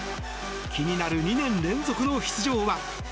気になる２年連続の出場は？